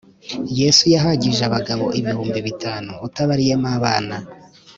Yesu yahagije abagaboibihumbi bitanu utabariyemo abana